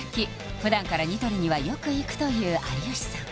普段からニトリにはよく行くという有吉さん